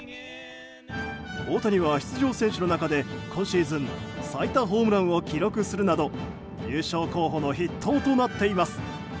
大谷は出場選手の中で今シーズン最多ホームランを記録するなど優勝候補の筆頭となっています。